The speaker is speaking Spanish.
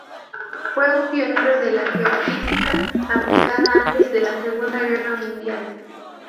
Fue un pionero de la geofísica aplicada antes de la Segunda Guerra Mundial.